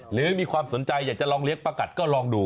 หรือมีความสนใจอยากจะลองเลี้ยประกัดก็ลองดู